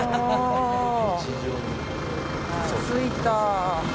着いた。